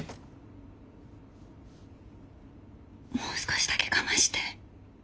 もう少しだけ我慢して。